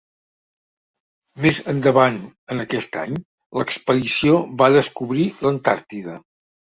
Més endavant en aquest any, l'expedició va descobrir l'Antàrtida.